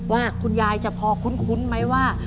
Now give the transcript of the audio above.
ว่าคุณยายจะพอคุ้นไหมว่า